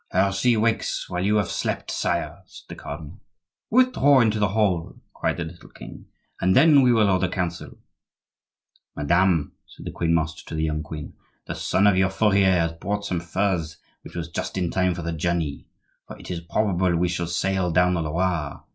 "Heresy wakes while you have slept, sire," said the cardinal. "Withdraw into the hall," cried the little king, "and then we will hold a council." "Madame," said the grand master to the young queen; "the son of your furrier has brought some furs, which was just in time for the journey, for it is probable we shall sail down the Loire.